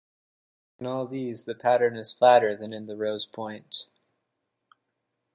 In all these the pattern is flatter than in the rose-point.